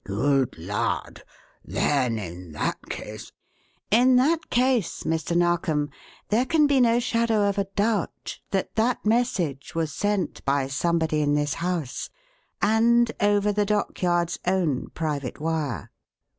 "Good lud! Then in that case " "In that case, Mr. Narkom, there can be no shadow of a doubt that that message was sent by somebody in this house and over the dockyard's own private wire."